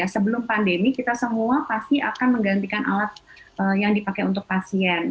sebelum pandemi kita semua pasti akan menggantikan alat yang dipakai untuk pasien